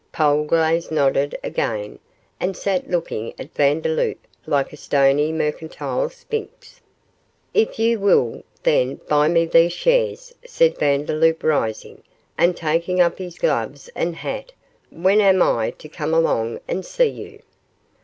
Polglaze nodded again, and sat looking at Vandeloup like a stony mercantile sphinx. 'If you will, then, buy me these shares,' said Vandeloup, rising, and taking up his gloves and hat, 'when am I to come along and see you?